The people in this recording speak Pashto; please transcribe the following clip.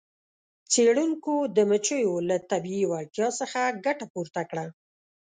څیړونکو د مچیو له طبیعي وړتیا څخه ګټه پورته کړه.